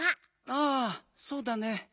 ああそうだね。